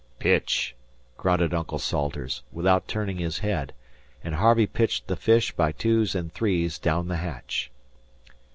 "Pitch!" grunted Uncle Salters, without turning his head, and Harvey pitched the fish by twos and threes down the hatch.